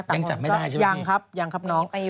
ยังจับไม่ได้ใช่ไหมยังครับน้อง